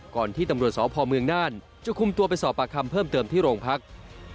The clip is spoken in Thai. ก่อนที่ตำรวจสพเมืองน่านจะคุมตัวไปสอบปากคำเพิ่มเติมที่โรงพัก